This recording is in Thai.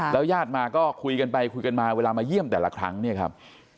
ญาติมาก็คุยกันไปคุยกันมาเวลามาเยี่ยมแต่ละครั้งเนี่ยครับ